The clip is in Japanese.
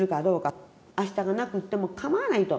あしたがなくっても構わないと。